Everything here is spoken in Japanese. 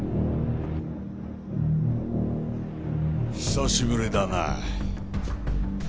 久しぶりだな。